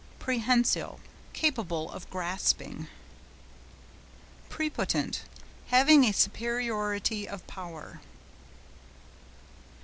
PREHENSILE.—Capable of grasping. PREPOTENT.—Having a superiority of power.